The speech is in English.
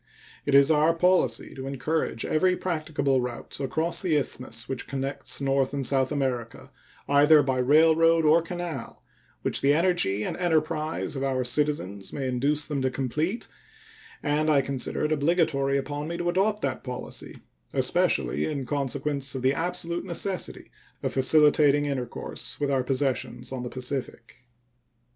It is our policy to encourage every practicable route across the isthmus which connects North and South America, either by railroad or canal, which the energy and enterprise of our citizens may induce them to complete, and I consider it obligatory upon me to adopt that policy, especially in consequence of the absolute necessity of facilitating intercourse with our possessions on the Pacific.